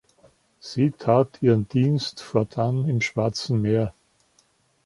Sie tat ihren Dienst fortan im Schwarzen Meer.